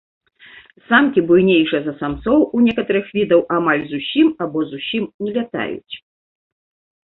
Самкі буйнейшыя за самцоў, у некаторых відаў амаль зусім або зусім не лятаюць.